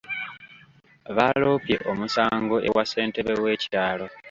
Baaloopye omusango ewa ssentebe w'ekyalo